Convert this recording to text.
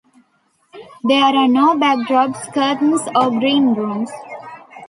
There are no backdrops, curtains or green-rooms.